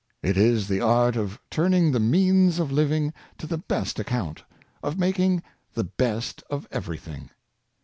It is the art of turning the means of living to the best account — of making the best of everything.